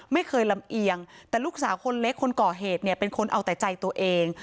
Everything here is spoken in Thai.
ไม่เคยลำเอียงแต่ลูกสาวคนเล็กคนก่อเหตุเนี่ยเป็นคนเอาแต่ใจตัวเอง